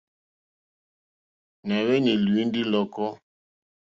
Nà hwenì lùwindi lɔ̀kɔ.